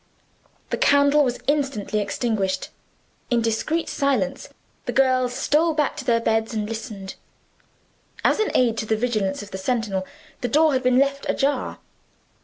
The candle was instantly extinguished. In discreet silence the girls stole back to their beds, and listened. As an aid to the vigilance of the sentinel, the door had been left ajar.